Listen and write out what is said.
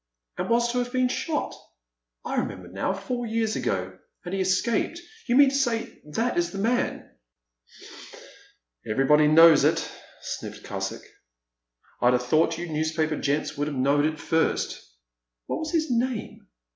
And was to have been shot? I remember now, four years ago — and he escaped — ^you mean to say that is the man ?"*' Everybody knows it," sniffed Cusick, I 'd a thought you newspaper gents would have knowed it first." *' What was his name